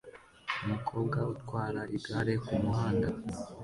umukobwa utwara igare kumuhanda